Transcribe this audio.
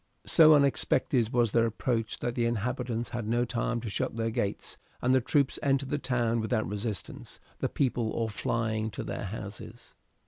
So unexpected was their approach that the inhabitants had not time to shut their gates, and the troops entered the town without resistance, the people all flying to their houses.